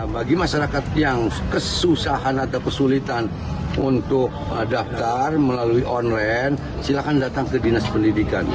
bagi masyarakat yang kesusahan atau kesulitan untuk daftar melalui online silahkan datang ke dinas pendidikan